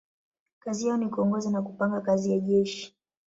Kazi yao ni kuongoza na kupanga kazi ya jeshi.